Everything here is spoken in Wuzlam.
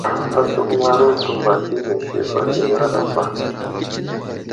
Nəsəkəmaro təmbak inisi bak i laraba.